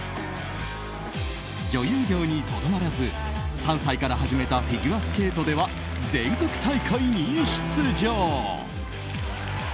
女優業にとどまらず３歳から始めたフィギュアスケートでは全国大会に出場。